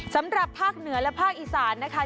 สำหรับภาคเหนือและภาคอีสานนะคะ